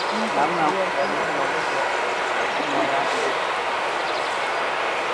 Namna ya kukabiliana na ugonjwa wa pumu ya mbuzi